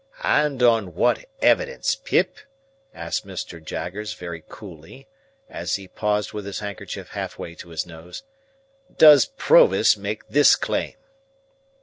"And on what evidence, Pip," asked Mr. Jaggers, very coolly, as he paused with his handkerchief half way to his nose, "does Provis make this claim?"